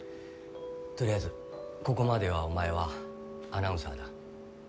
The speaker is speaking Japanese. とりあえずここまではお前はアナウンサーだ。